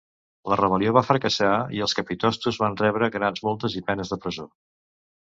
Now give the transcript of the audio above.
La rebel·lió va fracassar, i els capitostos van rebre grans multes i penes de presó.